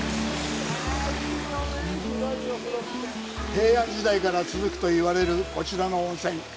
平安時代から続くと言われるこちらの温泉。